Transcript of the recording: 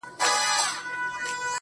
ولې زندګي زما او ستا له پاره نه ده څه